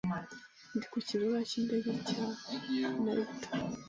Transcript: Ndi ku Kibuga cyindege cya Narita.